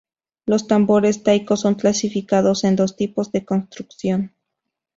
Los tambores taiko son clasificados en dos tipos de construcción.